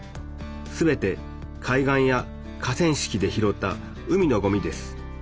全て海岸や河川敷で拾った海のごみです。